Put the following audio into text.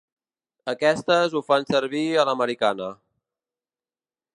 Aquestes ho fan servir a l'americana.